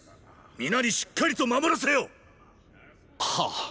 皆にしっかりと守らせよ！は。